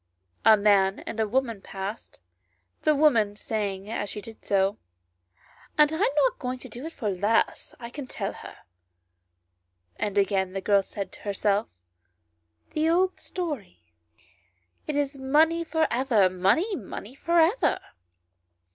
A man and woman passed, the woman saying as she did so " I am not going to do it for less, I can tell her ;" and again the girl said to herself " The old story, it is money for ever, money, money, for ever